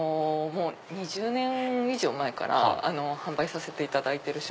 ２０年以上前から販売させていただいてる商品。